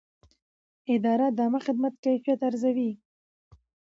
اداره د عامه خدمت کیفیت ارزوي.